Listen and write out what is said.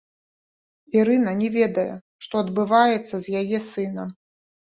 Ірына не ведае, што адбываецца з яе сынам.